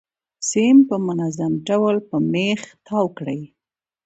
سیم په منظم ډول په میخ تاو کړئ.